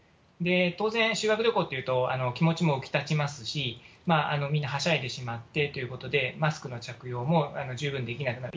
当然、修学旅行っていうと気持ちも浮き立ちますし、みんなはしゃいでしまってということで、マスクの着用も十分できなくなる。